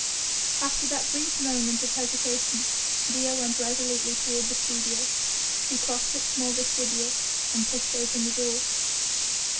After that brief moment of hesitation Dea went resolutely toward the studio. She crossed its small vestibule and pushed open the door.